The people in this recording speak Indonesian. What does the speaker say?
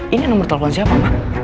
ini nomer telepon siapa ma